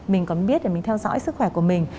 mình còn biết để mình theo dõi sức khỏe của mình